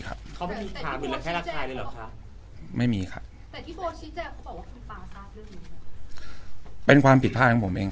ครับเขาไม่มีครับไม่มีครับเป็นความผิดผ้าของผมเอง